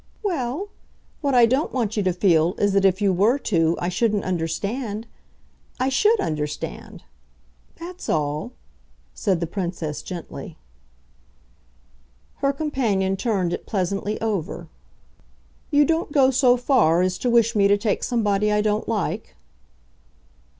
"Well, what I don't want you to feel is that if you were to I shouldn't understand. I SHOULD understand. That's all," said the Princess gently. Her companion turned it pleasantly over. "You don't go so far as to wish me to take somebody I don't like?"